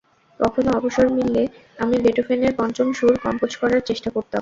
কখনো অবসর মিললে আমি বেটোফেনের পঞ্চম সুর কম্পোজ করার চেষ্টা করতাম।